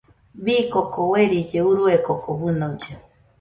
Bii koko uerilli urue koko fɨnolle.